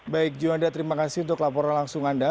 baik juanda terima kasih untuk laporan langsung anda